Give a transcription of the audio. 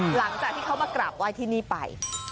หลังจากที่เขามากราบไหว้ที่นี่ไป